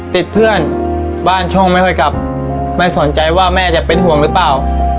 ติดเพื่อนบ้านช่องไม่ค่อยกลับไม่สนใจว่าแม่จะเป็นห่วงหรือเปล่า